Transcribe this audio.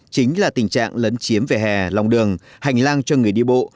chính là tình trạng lấn chiếm về hè lòng đường hành lang cho người đi bộ